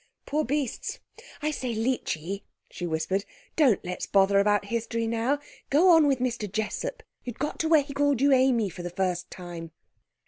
"Poor beasts. I say, Leechy," she whispered, "don't let's bother about history now. Go on with Mr. Jessup. You'd got to where he called you Amy for the first time."